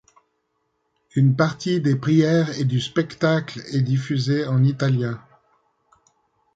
Une partie des prières et du spectacle est diffusée en italien.